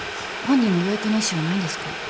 本人も養育の意思はないんですか？